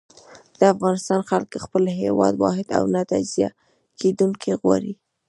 د افغانستان خلک خپل هېواد واحد او نه تجزيه کېدونکی غواړي.